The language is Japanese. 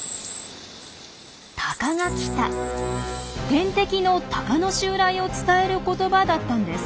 天敵のタカの襲来を伝える言葉だったんです。